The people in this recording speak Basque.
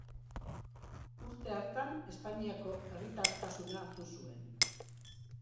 Urte hartan Espainiako herritartasuna hartu zuen.